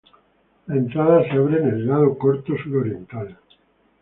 La entrada se abre en el lado corto suroriental.